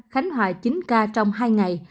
khánh hòa chín ca trong hai ngày